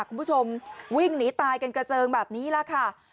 คุณผู้ชมวิ่งหนีตายกันกระเจิงแบบนี้แหละค่ะ